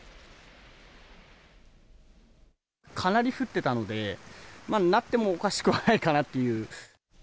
かなり降ってたので、まあなってもおかしくはないかなっていう。